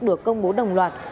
được công bố đồng loạt